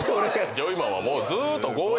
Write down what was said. ジョイマンはもうずーっと５や。